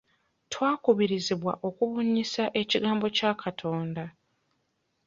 Twakubirizibwa okubunyisa ekigambo kya Katonda.